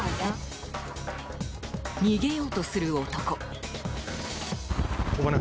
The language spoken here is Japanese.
逃げようとする男。